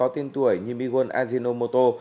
tên tuổi như miguon ajinomoto